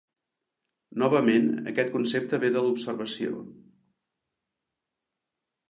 Novament, aquest concepte ve de l'observació.